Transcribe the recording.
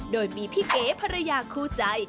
โดยมีพี่เอ๋ภรรยาคู่ใจ